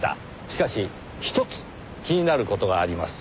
しかしひとつ気になる事があります。